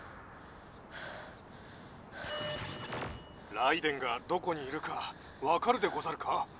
ライデェンがどこにいるかわかるでござるか？